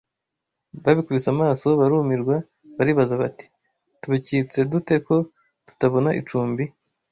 Babikubise amaso barumirwa baribaza bati «Tubikitse dute ko tutabona icumbi